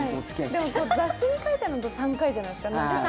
雑誌に書いてあるの見ると３回じゃないですか。